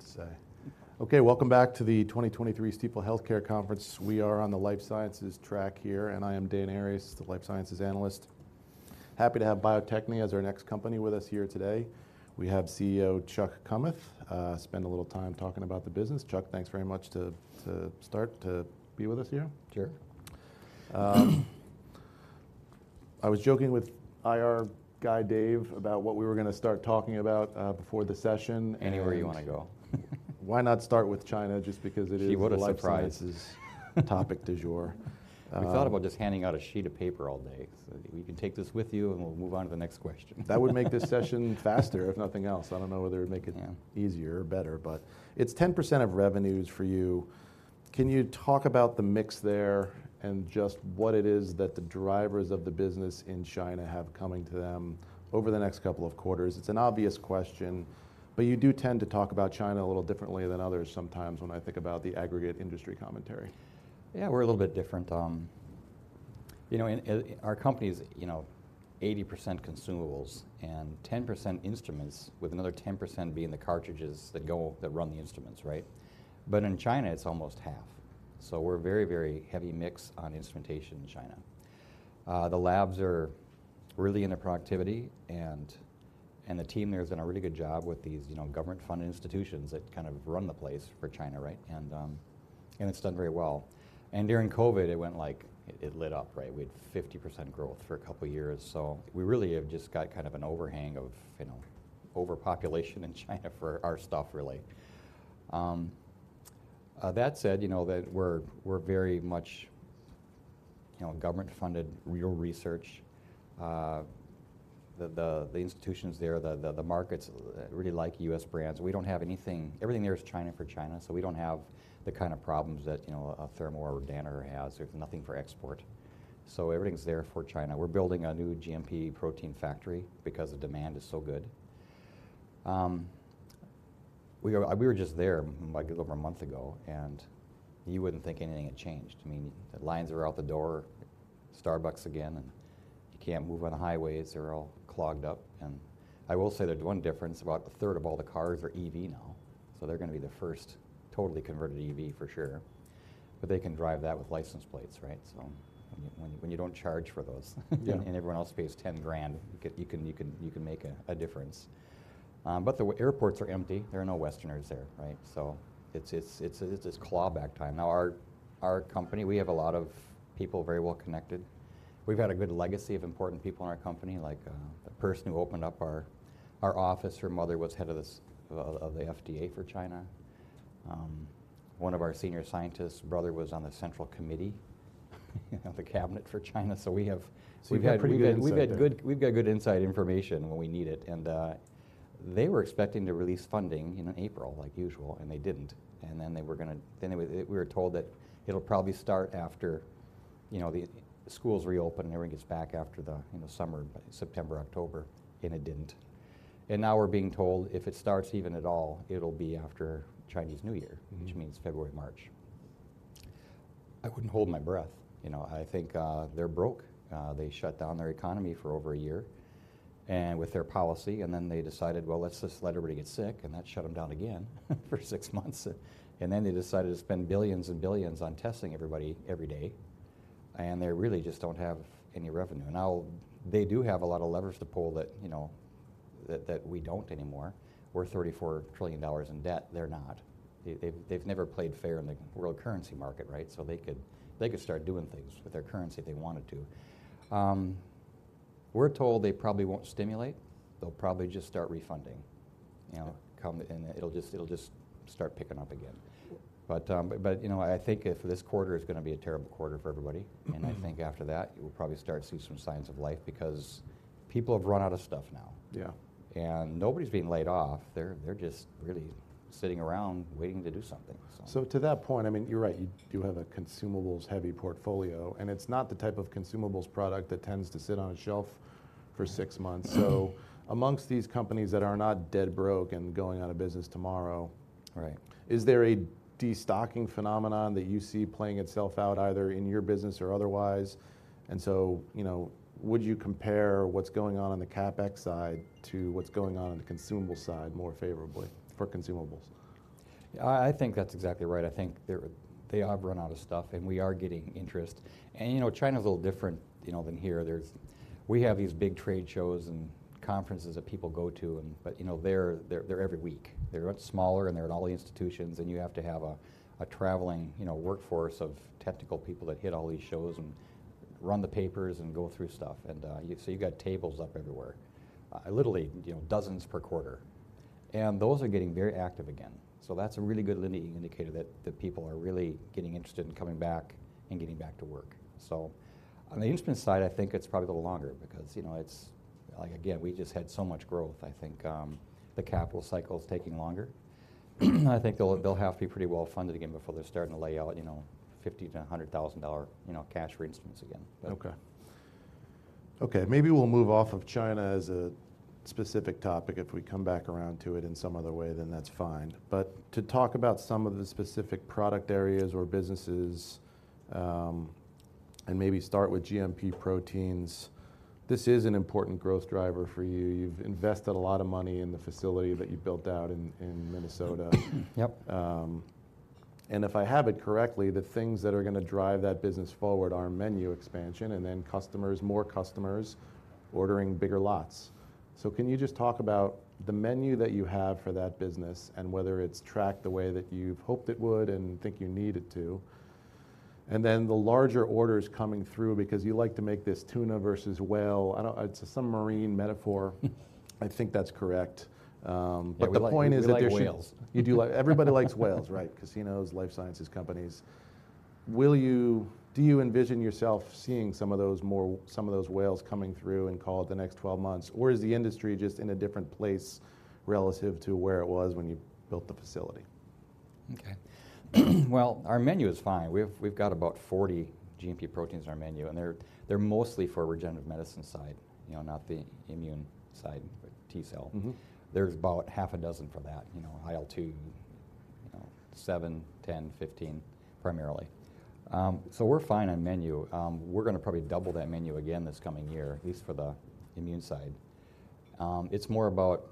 I don't know what to say. Okay, welcome back to the 2023 Stifel Healthcare Conference. We are on the life sciences track here, and I am Dan Arias, the life sciences analyst. Happy to have Bio-Techne as our next company with us here today. We have CEO, Chuck Kummeth, spend a little time talking about the business. Chuck, thanks very much to, to start to be with us here. Sure. I was joking with IR guy, Dave, about what we were gonna start talking about, before the session, and- Anywhere you wanna go. Why not start with China, just because it is- Gee, what a surprise!... the life sciences topic du jour. We thought about just handing out a sheet of paper all day, so you can take this with you, and we'll move on to the next question. That would make this session faster, if nothing else. I don't know whether it would make it- Yeah.... easier or better, but it's 10% of revenues for you. Can you talk about the mix there and just what it is that the drivers of the business in China have coming to them over the next couple of quarters? It's an obvious question, but you do tend to talk about China a little differently than others sometimes when I think about the aggregate industry commentary. Yeah, we're a little bit different. You know, and our company is, you know, 80% consumables and 10% instruments, with another 10% being the cartridges that go... that run the instruments, right? But in China, it's almost half, so we're very, very heavy mix on instrumentation in China. The labs are really into productivity, and the team there has done a really good job with these, you know, government-funded institutions that kind of run the place for China, right? And it's done very well. And during COVID, it went like it lit up, right? We had 50% growth for a couple of years. So we really have just got kind of an overhang of, you know, overpopulation in China for our stuff, really. That said, you know, that we're, we're very much, you know, government-funded, real research. The institutions there, the markets really like U.S. brands. We don't have anything. Everything there is China for China, so we don't have the kind of problems that, you know, a Thermo or a Danaher has. There's nothing for export. So everything's there for China. We're building a new GMP protein factory because the demand is so good. We are, we were just there, like, a little over a month ago, and you wouldn't think anything had changed. I mean, the lines are out the door, Starbucks again, and you can't move on the highways. They're all clogged up. And I will say the one difference, about a third of all the cars are EV now, so they're gonna be the first totally converted EV for sure. But they can drive that with license plates, right? When you, when you don't charge for those. Yeah.... and everyone else pays $10,000, you can, you can, you can make a difference. But the airports are empty. There are no Westerners there, right? So it's claw-back time. Now, our company, we have a lot of people very well connected. We've had a good legacy of important people in our company, like, the person who opened up our office, her mother was head of the FDA for China. One of our senior scientists' brother was on the Central Committee, you know, the cabinet for China. So we have- You've got pretty good insight there. We've got good, we've got good inside information when we need it, and they were expecting to release funding in April, like usual, and they didn't. And then they were gonna-- then it was, we were told that it'll probably start after, you know, the schools reopen, and everyone gets back after the, you know, summer, September, October, and it didn't. And now we're being told if it starts even at all, it'll be after Chinese New Year- Mm-hmm... which means February, March. I wouldn't hold my breath, you know? I think, they're broke. They shut down their economy for over a year, and with their policy, and then they decided, well, let's just let everybody get sick, and that shut 'em down again for six months. And then they decided to spend billions and billions on testing everybody every day, and they really just don't have any revenue. Now, they do have a lot of levers to pull that, you know, that we don't anymore. We're $34 trillion in debt, they're not. They, they've never played fair in the world currency market, right? So they could start doing things with their currency if they wanted to. We're told they probably won't stimulate. They'll probably just start refunding, you know- Yeah.... come, and it'll just, it'll just start picking up again. Yeah. But you know, I think this quarter is gonna be a terrible quarter for everybody. Mm-hmm. I think after that, you will probably start to see some signs of life because people have run out of stuff now. Yeah. Nobody's being laid off. They're just really sitting around waiting to do something, so. So to that point, I mean, you're right, you do have a consumables-heavy portfolio, and it's not the type of consumables product that tends to sit on a shelf for six months. So amongst these companies that are not dead broke and going out of business tomorrow- Right.... is there a destocking phenomenon that you see playing itself out, either in your business or otherwise? And so, you know, would you compare what's going on in the CapEx side to what's going on in the consumable side more favorably for consumables? I think that's exactly right. I think they have run out of stuff, and we are getting interest. And, you know, China's a little different, you know, than here. There are big trade shows and conferences that people go to and but, you know, they're every week. They're much smaller, and they're in all the institutions, and you have to have a traveling, you know, workforce of technical people that hit all these shows and run the papers and go through stuff. And so you got tables up everywhere, literally, you know, dozens per quarter. And those are getting very active again, so that's a really good leading indicator that people are really getting interested in coming back and getting back to work. So on the instrument side, I think it's probably a little longer because, you know, it's, like, again, we just had so much growth. I think, the capital cycle is taking longer. I think they'll, they'll have to be pretty well funded again before they're starting to lay out, you know, $50,000-$100,000 cash for instruments again. But- Okay. Okay, maybe we'll move off of China as a specific topic. If we come back around to it in some other way, then that's fine. But to talk about some of the specific product areas or businesses, and maybe start with GMP proteins. This is an important growth driver for you. You've invested a lot of money in the facility that you built out in Minnesota. Yep. If I have it correctly, the things that are gonna drive that business forward are menu expansion, and then customers, more customers ordering bigger lots. So can you just talk about the menu that you have for that business, and whether it's tracked the way that you've hoped it would, and think you need it to? And then the larger orders coming through, because you like to make this tuna versus whale. I don't- it's a submarine metaphor. I think that's correct, but the point is that- We like whales. You do like... Everybody likes whales, right? Casinos, life sciences companies. Will you, do you envision yourself seeing some of those more, some of those whales coming through in, call it, the next 12 months, or is the industry just in a different place relative to where it was when you built the facility? Okay. Well, our menu is fine. We've got about 40 GMP proteins on our menu, and they're mostly for regenerative medicine side, you know, not the immune side, T-cell. Mm-hmm. There's about half a dozen for that, you know, IL-2, you know, IL-7, IL-10, IL-15, primarily. So we're fine on menu. We're gonna probably double that menu again this coming year, at least for the immune side. It's more about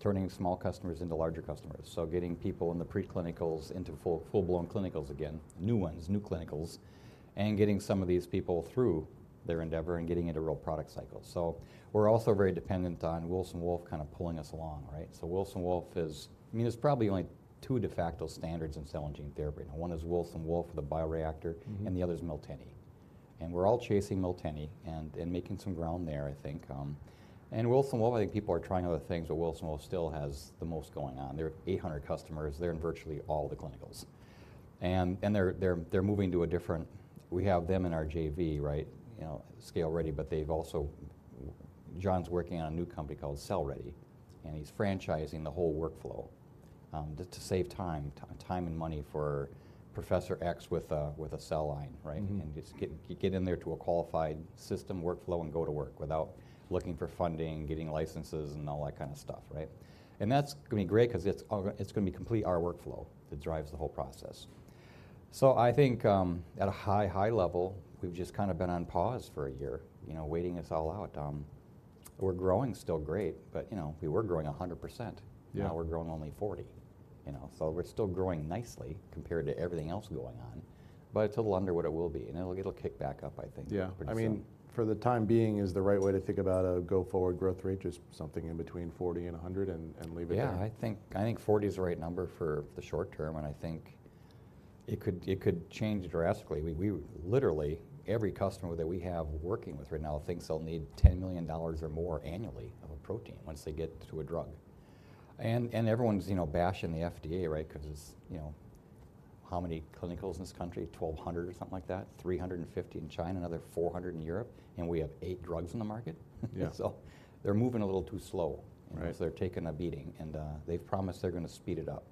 turning small customers into larger customers, so getting people in the pre-clinicals into full, full-blown clinicals again, new ones, new clinicals, and getting some of these people through their endeavor, and getting into real product cycles. So we're also very dependent on Wilson Wolf kind of pulling us along, right? So Wilson Wolf is... I mean, there's probably only two de facto standards in cell and gene therapy now. One is Wilson Wolf for the bioreactor- Mm-hmm. -and the other is Miltenyi. And we're all chasing Miltenyi and making some ground there, I think. And Wilson Wolf, I think people are trying other things, but Wilson Wolf still has the most going on. There are 800 customers. They're in virtually all the clinicals. And they're moving to a different. We have them in our JV, right? You know, ScaleReady, but they've also... John's working on a new company called CellReady, and he's franchising the whole workflow, to save time and money for Professor X with a cell line, right? Mm-hmm. And just get in there to a qualified system workflow and go to work without looking for funding, getting licenses and all that kind of stuff, right? And that's gonna be great 'cause it's gonna be complete, our workflow, that drives the whole process. So I think at a high, high level, we've just kind of been on pause for a year, you know, waiting this all out. We're growing still great, but, you know, we were growing 100%. Yeah. Now we're growing only 40, you know, so we're still growing nicely compared to everything else going on, but it's a little under what it will be, and it'll, it'll kick back up, I think, pretty soon. Yeah. I mean, for the time being, is the right way to think about a go-forward growth rate just something in between 40 and 100 and leave it there? Yeah, I think, I think 40 is the right number for the short term, and I think it could, it could change drastically. We, we, literally, every customer that we have working with right now thinks they'll need $10 million or more annually of a protein once they get to a drug. And, and everyone's, you know, bashing the FDA, right? 'Cause it's, you know. How many clinicals in this country? 1,200 or something like that. 350 in China, another 400 in Europe, and we have eight drugs in the market. Yeah. So they're moving a little too slow. Right. So they're taking a beating, and they've promised they're gonna speed it up,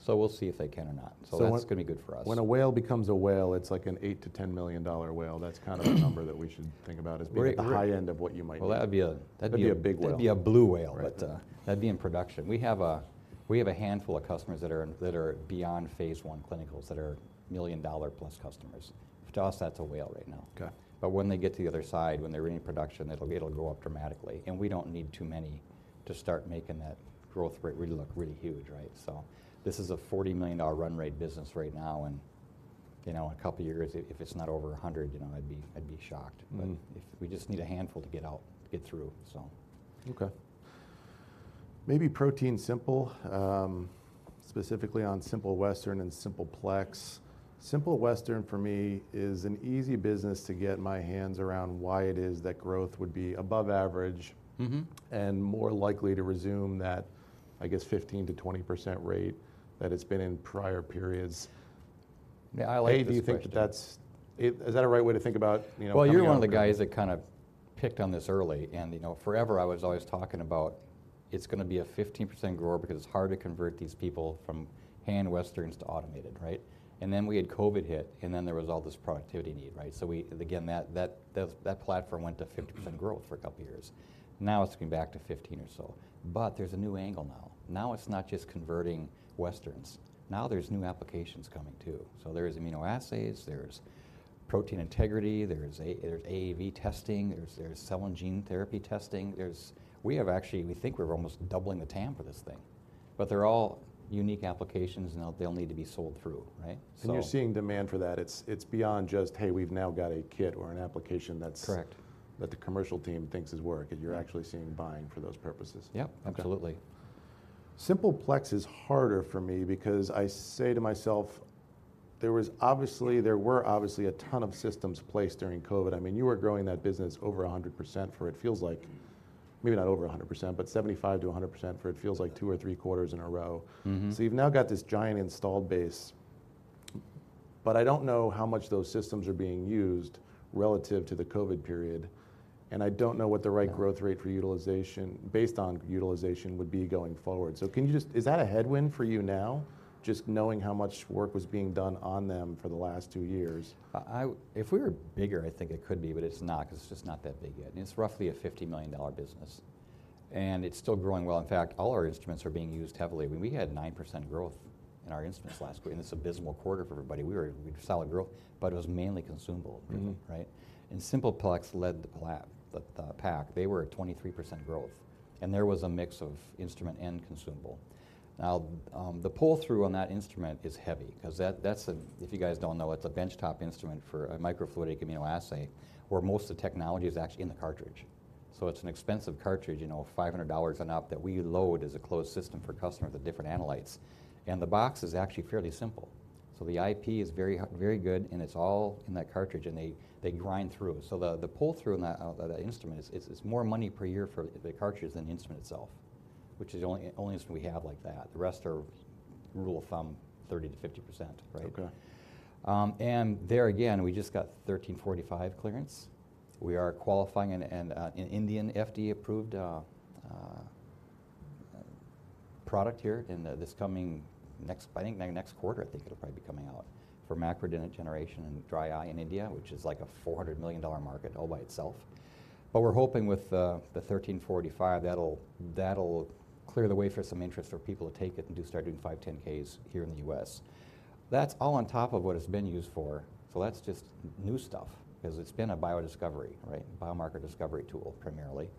so we'll see if they can or not. So- That's gonna be good for us. When a whale becomes a whale, it's like an $8 million-$10 million whale. That's kind of the number that we should think about as being- Right.... at the high end of what you might need. Well, that'd be a... That'd be a big whale.... that'd be a blue whale. Right. But, that'd be in production. We have a handful of customers that are beyond phase I clinicals, that are million-dollar-plus customers. To us, that's a whale right now. Okay. But when they get to the other side, when they're in production, it'll go up dramatically, and we don't need too many to start making that growth rate really look really huge, right? So this is a $40 million run rate business right now, and, you know, in a couple years, if it's not over $100 million, you know, I'd be shocked. Mm. But if... We just need a handful to get out, get through, so. Okay. Maybe ProteinSimple, specifically on Simple Western and Simple Plex. Simple Western, for me, is an easy business to get my hands around why it is that growth would be above average- Mm-hmm.... and more likely to resume that, I guess, 15%-20% rate that it's been in prior periods. Yeah, I like this question. Hey, do you think that that's... Is that a right way to think about, you know, coming out- Well, you're one of the guys that kind of picked on this early. And, you know, forever, I was always talking about, it's gonna be a 15% grower because it's hard to convert these people from hand Westerns to automated, right? And then we had COVID hit, and then there was all this productivity need, right? So again, that platform went to 50%- Mm-hmm... growth for a couple of years. Now it's going back to 15% or so, but there's a new angle now. Now, it's not just converting Westerns. Now there's new applications coming, too. So there's immunoassays, there's protein integrity, there's AAV testing, there's cell and gene therapy testing, there's... We have actually. We think we're almost doubling the TAM for this thing, but they're all unique applications, and they'll need to be sold through, right? So- You're seeing demand for that. It's, it's beyond just, "Hey, we've now got a kit or an application that's- Correct.... that the commercial team thinks is working." Yeah. You're actually seeing buying for those purposes. Yep, absolutely. Okay. Simple Plex is harder for me because I say to myself, there was obviously... there were obviously a ton of systems placed during COVID. I mean, you were growing that business over 100%, for it feels like... Maybe not over 100%, but 75%-100%, for it feels like two or three quarters in a row. Mm-hmm. So you've now got this giant installed base, but I don't know how much those systems are being used relative to the COVID period, and I don't know what the right- Yeah.... growth rate for utilization, based on utilization, would be going forward. So can you just... Is that a headwind for you now, just knowing how much work was being done on them for the last two years? If we were bigger, I think it could be, but it's not, 'cause it's just not that big yet. And it's roughly a $50 million business... and it's still growing well. In fact, all our instruments are being used heavily. I mean, we had 9% growth in our instruments last quarter, and it's an abysmal quarter for everybody. We had solid growth, but it was mainly consumable- Mm-hmm.... right? And Simple Plex led the pack. They were at 23% growth, and there was a mix of instrument and consumable. Now, the pull-through on that instrument is heavy, 'cause that's a... If you guys don't know, it's a bench-top instrument for a microfluidic immunoassay, where most of the technology is actually in the cartridge. So it's an expensive cartridge, you know, $500 and up, that we load as a closed system for customers with different analytes, and the box is actually fairly simple. So the IP is very good, and it's all in that cartridge, and they grind through. So the pull-through on that instrument is more money per year for the cartridges than the instrument itself, which is the only instrument we have like that. The rest are rule of thumb, 30%-50%, right? Okay. And there again, we just got ISO 13485 clearance. We are qualifying an Indian FDA-approved product here in this coming next, I think, next quarter, I think it'll probably be coming out for macular degeneration and dry eye in India, which is like a $400 million market all by itself. But we're hoping with the ISO 13485, that'll clear the way for some interest for people to take it and start doing 510(k)s here in the U.S. That's all on top of what it's been used for, so that's just new stuff, 'cause it's been a biodiscovery, right, biomarker discovery tool primarily.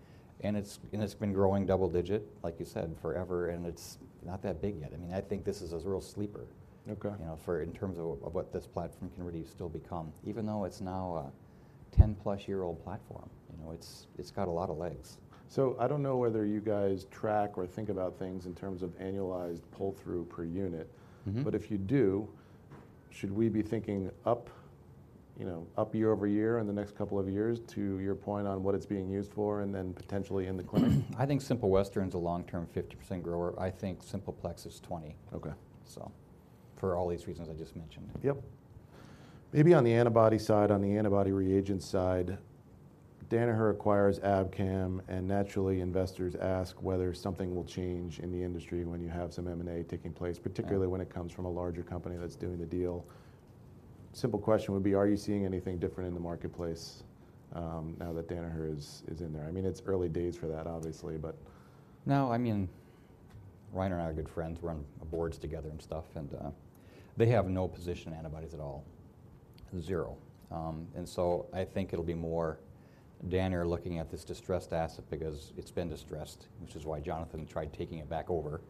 And it's been growing double-digit, like you said, forever, and it's not that big yet. I mean, I think this is a real sleeper- Okay.... you know, for, in terms of what this platform can really still become. Even though it's now a 10+ year old platform, you know, it's got a lot of legs. I don't know whether you guys track or think about things in terms of annualized pull-through per unit. Mm-hmm. But if you do, should we be thinking up, you know, up year-over-year in the next couple of years, to your point on what it's being used for, and then potentially in the clinic? I think Simple Western's a long-term 50% grower. I think Simple Plex is 20%. Okay. For all these reasons I just mentioned. Yep. Maybe on the antibody side, on the antibody reagent side, Danaher acquires Abcam, and naturally, investors ask whether something will change in the industry when you have some M&A taking place- Yeah.... particularly when it comes from a larger company that's doing the deal. Simple question would be: Are you seeing anything different in the marketplace, now that Danaher is in there? I mean, it's early days for that, obviously, but... No, I mean, Rainer and I are good friends. We're on boards together and stuff, and they have no position in antibodies at all. Zero. And so I think it'll be more Danaher looking at this distressed asset because it's been distressed, which is why Jonathan tried taking it back over.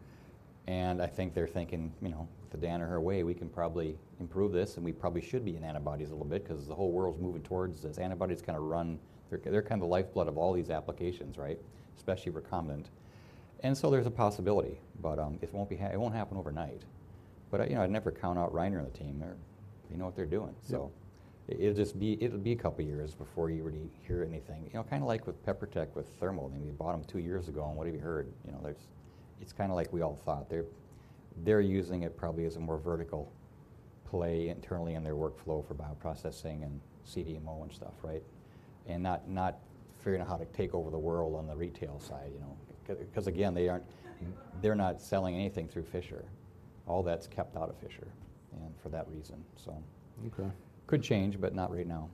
And I think they're thinking, you know, "The Danaher way, we can probably improve this, and we probably should be in antibodies a little bit," 'cause the whole world's moving towards this. Antibodies kinda run. They're, they're kind of the lifeblood of all these applications, right? Especially recombinant. And so there's a possibility, but it won't happen overnight. But, you know, I'd never count out Rainer and the team. They're- they know what they're doing. Yep. So it'll just be a couple of years before you really hear anything. You know, kinda like with PeproTech, with Thermo. I mean, you bought them two years ago, and what have you heard? You know, there's. It's kinda like we all thought. They're using it probably as a more vertical play internally in their workflow for bioprocessing and CDMO and stuff, right? And not figuring out how to take over the world on the retail side, you know? 'Cause again, they aren't. They're not selling anything through Fisher. All that's kept out of Fisher and for that reason, so... Okay. Could change, but not right now.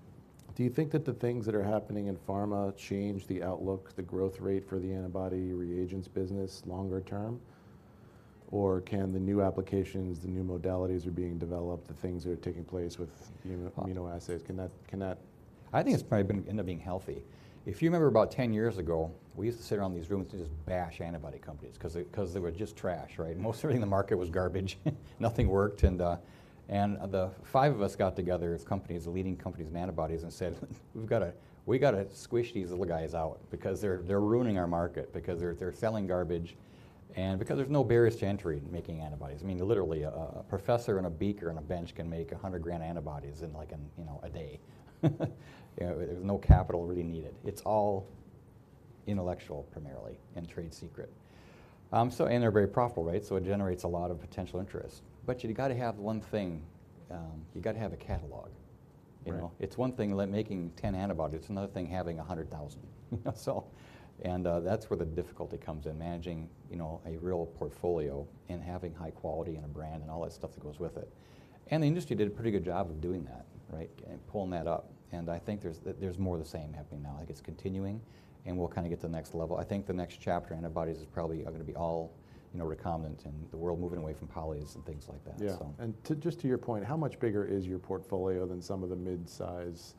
Do you think that the things that are happening in pharma change the outlook, the growth rate for the antibody reagents business longer term? Or can the new applications, the new modalities that are being developed, the things that are taking place with immunoassays, can that, can that? I think it's probably been end up being healthy. If you remember about 10 years ago, we used to sit around these rooms and just bash antibody companies, 'cause they were just trash, right? Most everything in the market was garbage. Nothing worked, and the five of us got together, as companies, leading companies in antibodies, and said, "We've gotta squish these little guys out because they're ruining our market because they're selling garbage," and because there's no barriers to entry in making antibodies. I mean, literally, a professor and a beaker and a bench can make $100,000 antibodies in, like, in, you know, a day. You know, there's no capital really needed. It's all intellectual, primarily, and trade secret. So and they're very profitable, right? So it generates a lot of potential interest. But you've gotta have one thing, you've gotta have a catalog. Right. You know? It's one thing making 10 antibodies, it's another thing having 100,000. So... And, that's where the difficulty comes in, managing, you know, a real portfolio and having high quality and a brand and all that stuff that goes with it. And the industry did a pretty good job of doing that, right, and pulling that up. And I think there's, there's more of the same happening now. Like, it's continuing, and we'll kinda get to the next level. I think the next chapter in antibodies is probably gonna be all, you know, recombinant and the world moving away from polys and things like that, so. Yeah, and just to your point, how much bigger is your portfolio than some of the mid-size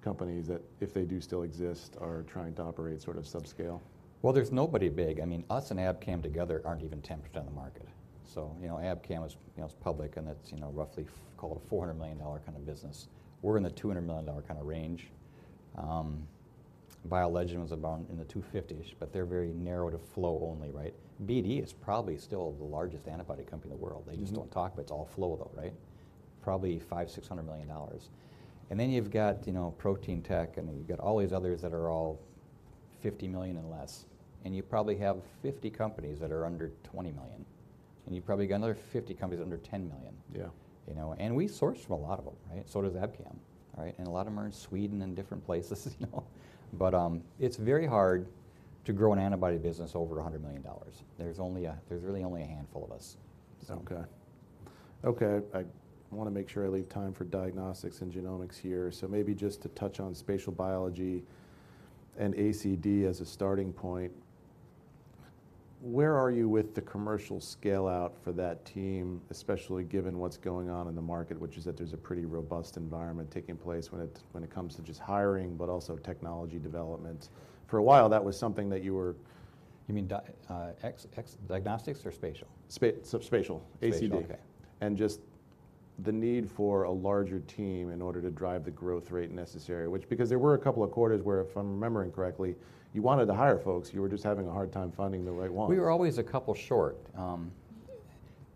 companies that, if they do still exist, are trying to operate sort of subscale? Well, there's nobody big. I mean, us and Abcam together aren't even 10% of the market. So, you know, Abcam is, you know, it's public, and it's, you know, roughly called a $400 million kind of business. We're in the $200 million kind of range. BioLegend was about in the 250s, but they're very narrow to flow only, right? BD is probably still the largest antibody company in the world. Mm-hmm. They just don't talk, but it's all flow, though, right? Probably $500 million-$600 million. And then you've got, you know, Proteintech, and you've got all these others that are all $50 million and less, and you probably have 50 companies that are under $20 million, and you've probably got another 50 companies under $10 million. Yeah. You know, and we source from a lot of them, right? So does Abcam, right? And a lot of them are in Sweden and different places, you know? But, it's very hard to grow an antibody business over $100 million. There's only a, there's really only a handful of us, so... Okay. Okay, I want to make sure I leave time for diagnostics and genomics here. So maybe just to touch on spatial biology and ACD as a starting point, where are you with the commercial scale-out for that team, especially given what's going on in the market, which is that there's a pretty robust environment taking place when it, when it comes to just hiring, but also technology development? For a while, that was something that you were- You mean diagnostics or spatial? So spatial, ACD. Spatial, okay. And just the need for a larger team in order to drive the growth rate necessary. Which, because there were a couple of quarters where, if I'm remembering correctly, you wanted to hire folks, you were just having a hard time finding the right ones. We were always a couple short.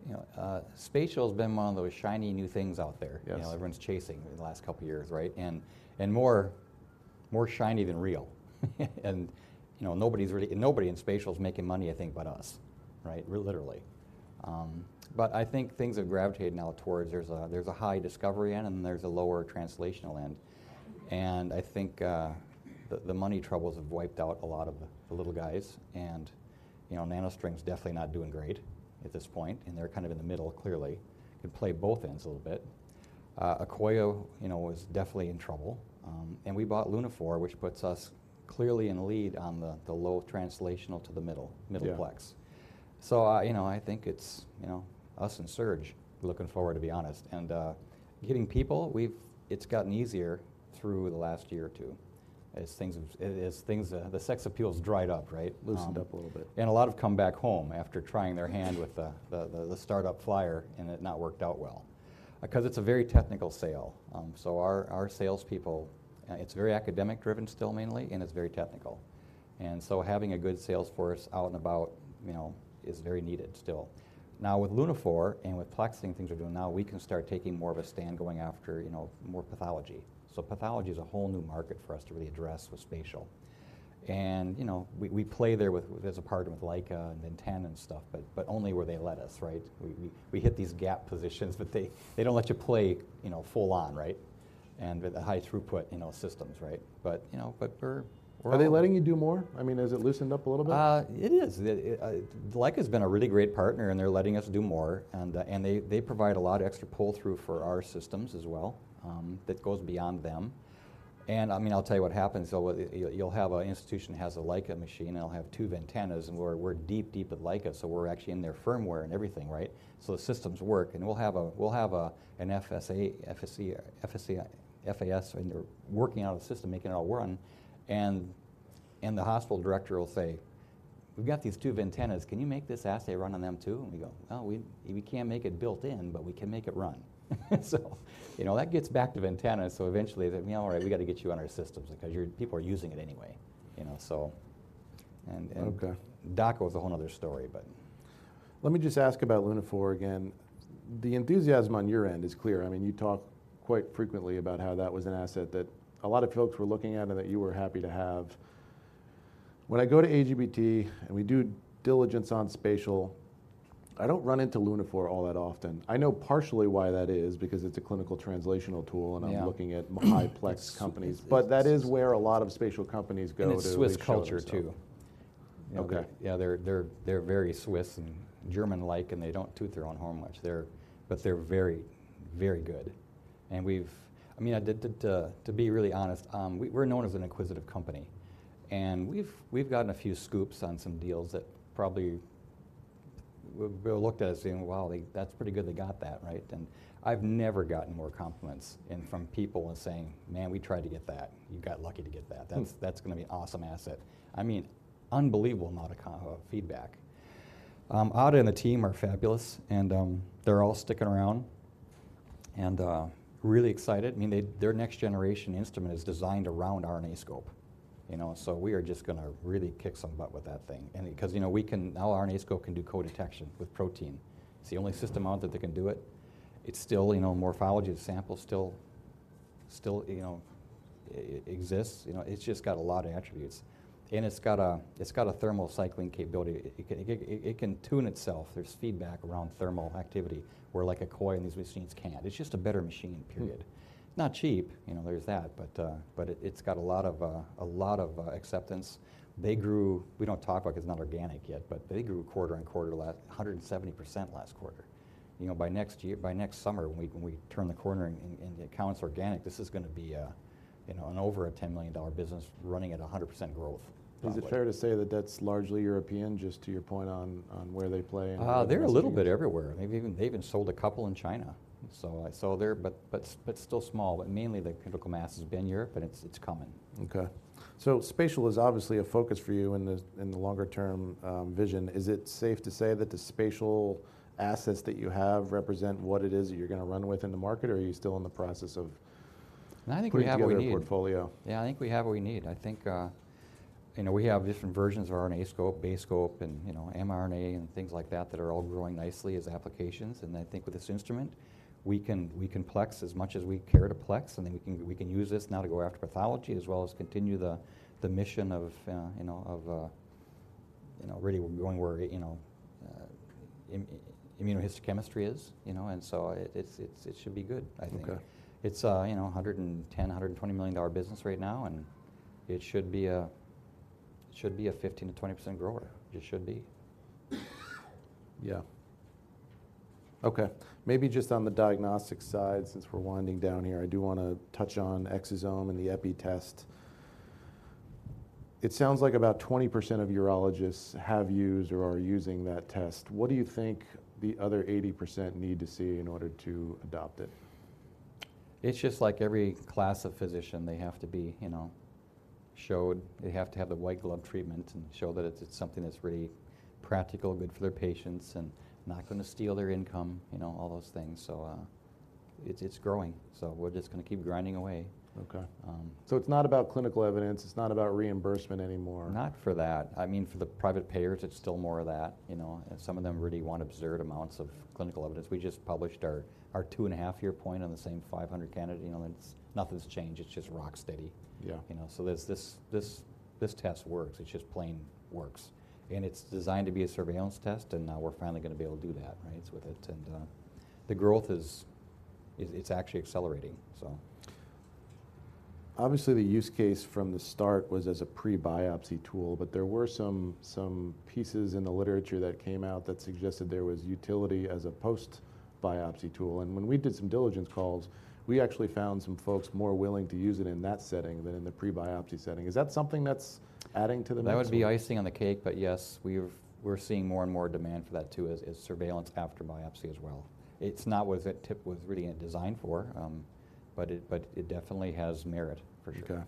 You know, spatial has been one of those shiny new things out there- Yes.... you know, everyone's chasing in the last couple of years, right? And more shiny than real. And, you know, nobody in spatial is making money, I think, but us, right? Literally. But I think things have gravitated now towards there's a high discovery end, and there's a lower translational end. And I think the money troubles have wiped out a lot of the little guys, and, you know, NanoString's definitely not doing great at this point, and they're kind of in the middle, clearly, and play both ends a little bit. Akoya, you know, was definitely in trouble, and we bought Lunaphore, which puts us clearly in the lead on the low translational to the middle- Yeah.... middle plex. So I, you know, I think it's, you know, us and Serge looking forward, to be honest. And getting people, it's gotten easier through the last year or two as things have. The sex appeal's dried up, right? Loosened up a little bit. A lot have come back home after trying their hand with the startup flyer, and it not worked out well. Because it's a very technical sale, so our salespeople, it's very academic driven still mainly, and it's very technical. So having a good sales force out and about, you know, is very needed still. Now, with Lunaphore and with plexing, things we're doing now, we can start taking more of a stand going after, you know, more pathology. So pathology is a whole new market for us to really address with spatial. And, you know, we play there as a partner with Leica and Ventana and stuff, but only where they let us, right? We hit these gap positions, but they don't let you play, you know, full on, right? With the high throughput, you know, systems, right? But, you know, we're— Are they letting you do more? I mean, has it loosened up a little bit? It is. Leica has been a really great partner, and they're letting us do more, and they provide a lot of extra pull-through for our systems as well, that goes beyond them. And, I mean, I'll tell you what happens, though. You'll have an institution that has a Leica machine, it'll have two Ventanas, and we're deep with Leica, so we're actually in their firmware and everything, right? So the systems work, and we'll have an FSA, FSE, and FAS, and they're working on a system, making it all run, and the hospital director will say, "We've got these two Ventanas. Can you make this assay run on them, too?" And we go, "Well, we, we can't make it built in, but we can make it run." So, you know, that gets back to Ventana, so eventually, they're, "You know what? We gotta get you on our systems because your-- people are using it anyway." You know, so... And, and- Okay.... Dako is a whole other story, but. Let me just ask about Lunaphore again. The enthusiasm on your end is clear. I mean, you talk quite frequently about how that was an asset that a lot of folks were looking at and that you were happy to have. When I go to AGBT, and we do diligence on spatial, I don't run into Lunaphore all that often. I know partially why that is because it's a clinical translational tool- Yeah.... and I'm looking at high-plex companies- It's, it's-... but that is where a lot of spatial companies go to- It's Swiss culture, too. Okay. Yeah, they're very Swiss and German-like, and they don't toot their own horn much. They're, but they're very, very good. And we've, I mean, to be really honest, we're known as an acquisitive company, and we've gotten a few scoops on some deals that probably we've been looked at us saying, "Wow, they, that's pretty good they got that," right? And I've never gotten more compliments in from people in saying, "Man, we tried to get that. You got lucky to get that. That's, that's gonna be awesome asset." I mean, unbelievable amount of feedback. Ata and the team are fabulous, and, they're all sticking around and, really excited. I mean, they, their next-generation instrument is designed around RNAscope, you know, so we are just gonna really kick some butt with that thing. And because, you know, we can now RNAscope can do co-detection with protein. It's the only system out that can do it. It's still, you know, morphology of the sample still exists. You know, it's just got a lot of attributes. And it's got a thermal cycling capability. It can tune itself. There's feedback around thermal activity, where like Akoya and these machines can't. It's just a better machine, period. Not cheap, you know, there's that, but it's got a lot of acceptance. They grew... We don't talk about it because it's not organic yet, but they grew quarter-on-quarter 170% last quarter. You know, by next year, by next summer, when we, when we turn the corner and, and the account's organic, this is gonna be a, you know, an over a $10 million business running at 100% growth. Is it fair to say that that's largely European, just to your point on, on where they play? They're a little bit everywhere. They've even sold a couple in China, so I saw there, but still small, but mainly the critical mass has been Europe, and it's coming. Okay. So spatial is obviously a focus for you in the longer term vision. Is it safe to say that the spatial assets that you have represent what it is that you're gonna run with in the market, or are you still in the process of- I think we have what we need.... putting together a portfolio? Yeah, I think we have what we need. I think, you know, we have different versions of RNAscope, BaseScope, and, you know, mRNA and things like that that are all growing nicely as applications. And I think with this instrument, we can plex as much as we care to plex, and then we can use this now to go after pathology, as well as continue the mission of, you know, of, you know, really going where, you know, immunohistochemistry is, you know, and so it, it's, it should be good, I think. Okay. It's a, you know, $110 million-$120 million business right now, and it should be a 15%-20% grower. It should be. Yeah. Okay, maybe just on the diagnostic side, since we're winding down here, I do wanna touch on exosome and the EPI test. It sounds like about 20% of urologists have used or are using that test. What do you think the other 80% need to see in order to adopt it? It's just like every class of physician, they have to be, you know, shown. They have to have the white glove treatment and show that it's, it's something that's really practical, good for their patients, and not gonna steal their income. You know, all those things. So, it's, it's growing, so we're just gonna keep grinding away. Okay. Um- So it's not about clinical evidence, it's not about reimbursement anymore? Not for that. I mean, for the private payers, it's still more of that, you know. Some of them really want absurd amounts of clinical evidence. We just published our, our 2.5-year point on the same 500 candidate, you know, and nothing's changed. It's just rock steady. Yeah. You know, so this test works. It just plain works. And it's designed to be a surveillance test, and now we're finally gonna be able to do that, right, with it. And the growth is... it's actually accelerating, so. Obviously, the use case from the start was as a pre-biopsy tool, but there were some pieces in the literature that came out that suggested there was utility as a post-biopsy tool. And when we did some diligence calls, we actually found some folks more willing to use it in that setting than in the pre-biopsy setting. Is that something that's adding to the mix? That would be icing on the cake, but yes, we've. We're seeing more and more demand for that too, as, as surveillance after biopsy as well. It's not what that tip was originally designed for, but it, but it definitely has merit, for sure.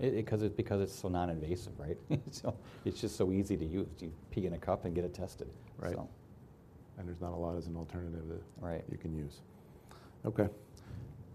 Okay. Because it's so non-invasive, right? So it's just so easy to use. You pee in a cup and get it tested. Right. So. And there's not a lot as an alternative that- Right.... you can use. Okay.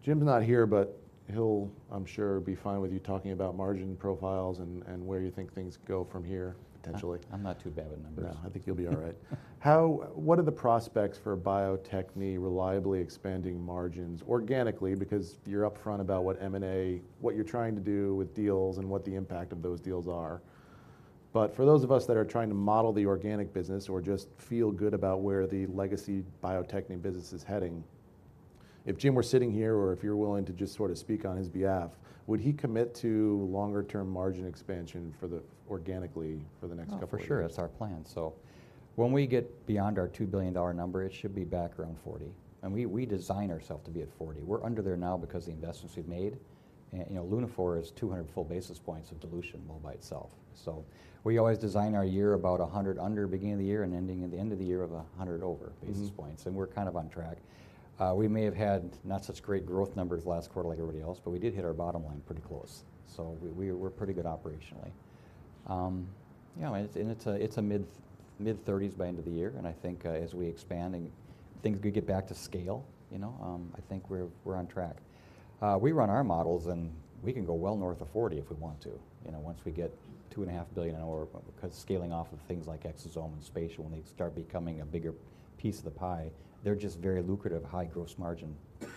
Jim's not here, but he'll, I'm sure, be fine with you talking about margin profiles and, and where you think things go from here, potentially. I'm not too bad with numbers. No, I think you'll be all right. How... What are the prospects for Bio-Techne reliably expanding margins organically? Because you're up front about what M&A- what you're trying to do with deals and what the impact of those deals are. But for those of us that are trying to model the organic business or just feel good about where the legacy Bio-Techne business is heading, if Jim were sitting here, or if you're willing to just sort of speak on his behalf, would he commit to longer term margin expansion for the, organically for the next couple of years? Oh, for sure, that's our plan. So when we get beyond our $2 billion number, it should be back around 40%, and we, we design ourselves to be at 40%. We're under there now because the investments we've made, and, you know, Lunaphore is 200 full basis points of dilution all by itself. So we always design our year about 100 under beginning of the year and ending at the end of the year over 100 over- Mm-hmm.... basis points, and we're kind of on track. We may have had not such great growth numbers last quarter like everybody else, but we did hit our bottom line pretty close, so we, we're pretty good operationally. You know, and it's, and it's a, it's a mid-30s by end of the year, and I think, as we expand and things get back to scale, you know, I think we're, we're on track. We run our models, and we can go well north of 40 if we want to, you know, once we get $2.5 billion in or- 'cause scaling off of things like exosome and spatial, when they start becoming a bigger piece of the pie, they're just very lucrative, high gross margin- Yeah....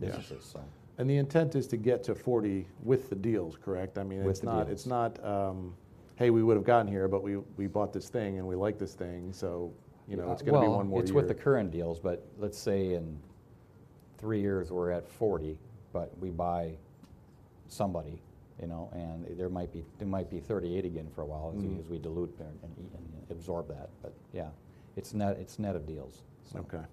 businesses, so. The intent is to get to 40 with the deals, correct? I mean- With the deals.... it's not, it's not, "Hey, we would have gotten here, but we, we bought this thing, and we like this thing, so, you know, it's gonna be one more year. Well, it's with the current deals, but let's say in three years we're at 40, but we buy somebody, you know, and there might be, it might be 38 again for a while- Mm.... as we dilute and absorb that. But yeah, it's net, it's net of deals, so. Okay.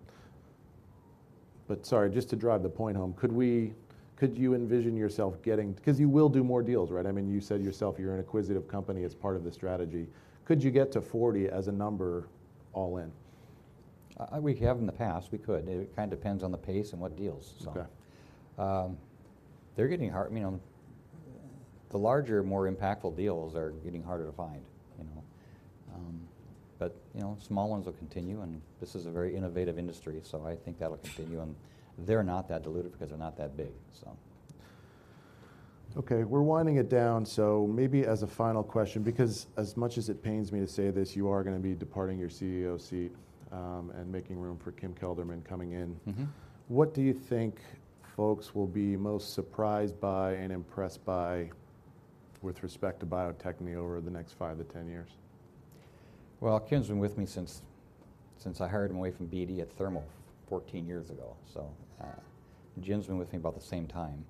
But sorry, just to drive the point home, could you envision yourself getting, because you will do more deals, right? I mean, you said yourself, you're an acquisitive company. It's part of the strategy. Could you get to 40 as a number all in? We have in the past. We could. It kinda depends on the pace and what deals, so. Okay. They're getting hard, I mean, the larger, more impactful deals are getting harder to find, you know? But, you know, small ones will continue, and this is a very innovative industry, so I think that'll continue, and they're not that diluted because they're not that big, so. Okay, we're winding it down, so maybe as a final question, because as much as it pains me to say this, you are gonna be departing your CEO seat, and making room for Kim Kelderman coming in. Mm-hmm. What do you think folks will be most surprised by and impressed by with respect to Bio-Techne over the next five to 10 years? Well, Kim's been with me since I hired him away from BD at Thermo 14 years ago, so... Yeah. Jim's been with me about the same time.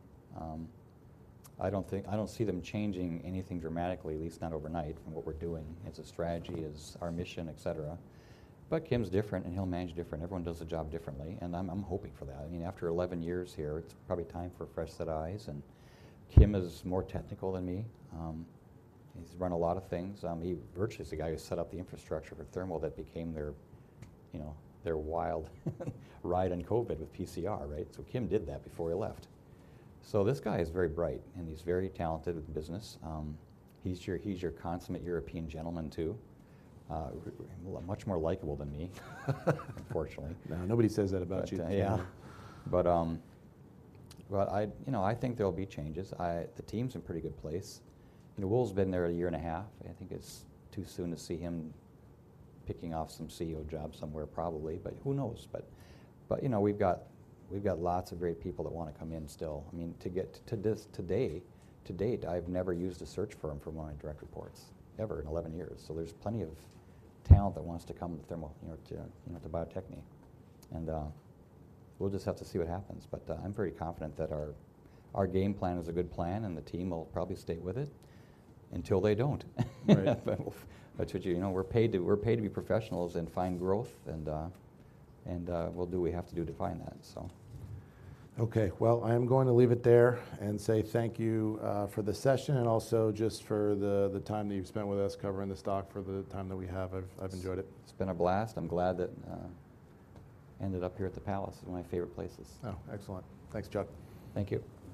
I don't see them changing anything dramatically, at least not overnight, from what we're doing as a strategy, as our mission, et cetera. But Kim's different, and he'll manage different. Everyone does the job differently, and I'm hoping for that. I mean, after 11 years here, it's probably time for a fresh set of eyes, and Kim is more technical than me. He's run a lot of things. He virtually is the guy who set up the infrastructure for Thermo that became their, you know, their wild ride in COVID with PCR, right? So Kim did that before he left. So this guy is very bright, and he's very talented with business. He's your consummate European gentleman, too. Much more likable than me, unfortunately. No, nobody says that about you. Yeah. But, but I... You know, I think there'll be changes. The team's in a pretty good place. You know, Will's been there a year and a half, and I think it's too soon to see him picking off some CEO job somewhere, probably, but who knows? But, but, you know, we've got, we've got lots of great people that wanna come in still. I mean, to get to this, to date, to date, I've never used a search firm for one of my direct reports, ever in 11 years. So there's plenty of talent that wants to come to Thermo, you know, to, you know, to Bio-Techne. And, we'll just have to see what happens, but, I'm very confident that our, our game plan is a good plan, and the team will probably stay with it until they don't. Right. But you know, we're paid to be professionals and find growth, and we'll do what we have to do to find that, so. Okay. Well, I am going to leave it there and say thank you for the session and also just for the time that you've spent with us covering the stock for the time that we have. I've enjoyed it. It's been a blast. I'm glad that ended up here at the Palace, one of my favorite places. Oh, excellent. Thanks, Chuck. Thank you.